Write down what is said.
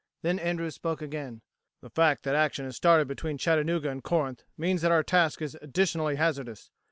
Then Andrews spoke again: "The fact that action has started between Chattanooga and Corinth means that our task is additionally hazardous.